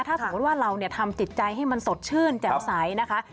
ถ้าสมมุติว่าเราทำจิตใจให้มันสดชื่นแจ่มใสนะคะ